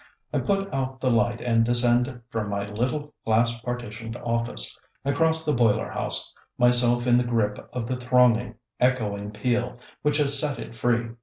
I put out the light and descend from my little glass partitioned office. I cross the boiler house, myself in the grip of the thronging, echoing peal which has set it free.